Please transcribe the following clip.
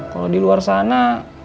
kalau di luar sana